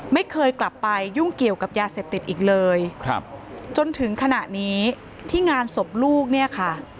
ไม่เคยกลับไปยุ่งเกี่ยวกับยาเสพติดอีกเลยครับจนถึงขณะนี้ที่งานศพลูกเนี่ยค่ะ